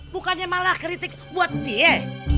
bukannya malah kritik buat dia